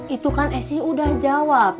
itu kan sy udah jawab